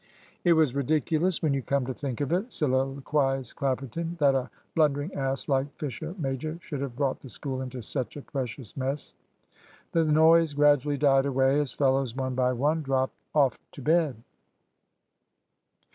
"It was ridiculous, when you come to think of it," soliloquised Clapperton, "that a blundering ass like Fisher major should have brought the School into such a precious mess." The noise gradually died away as fellows one by one dropped of to bed.